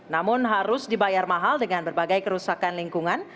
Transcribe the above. namun harus dibayar mahal dengan berbagai kerusakan lingkungan